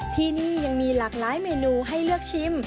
ที่นี่ยังมีหลากหลายเมนูให้เลือกชิม